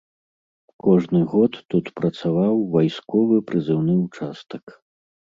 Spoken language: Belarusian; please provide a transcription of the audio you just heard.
Кожны год тут працаваў вайсковы прызыўны ўчастак.